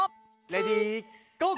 レディーゴー！